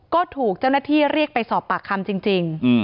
ก็ถูกเจ้าหน้าที่เรียกไปสอบปากคำจริง